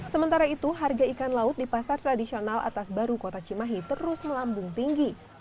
sementara itu harga ikan laut di pasar tradisional atas baru kota cimahi terus melambung tinggi